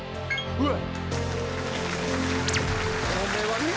うわ！